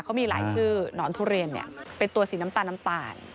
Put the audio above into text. เขามีหลายชื่อนอนทุเรียนเนี่ยเป็นตัวสีน้ำตาล